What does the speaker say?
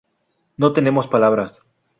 No tenemos palabras.